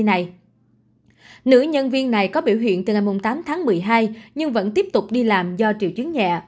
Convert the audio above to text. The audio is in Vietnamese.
nữ nhân viên này có biểu hiện từ ngày tám tháng một mươi hai nhưng vẫn tiếp tục đi làm do triệu chứng nhẹ